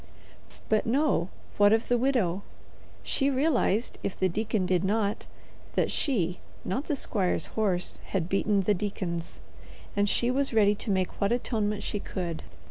But no. What of the widow? She realized, if the deacon did not, that she, not the squire's horse, had beaten the deacon's, and she was ready to make what atonement she could.